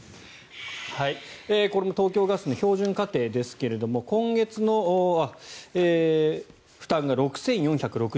これも東京ガスの標準家庭ですが今月の負担が６４６１円。